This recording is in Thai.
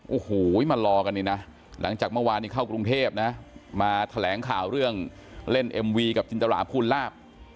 โอ้โหมารอกันนี่นะหลังจากเมื่อวานนี้เข้ากรุงเทพนะมาแถลงข่าวเรื่องเล่นเอ็มวีกับจินตราภูลลาบ